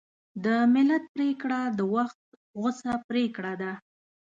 د ملت پرېکړه د وخت غوڅه پرېکړه ده.